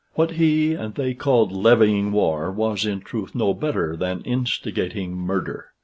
What he and they called levying war was, in truth, no better than instigating murder.